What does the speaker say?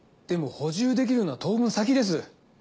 でも補充できるのは当分先です。